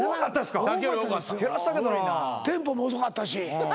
テンポも遅かったし。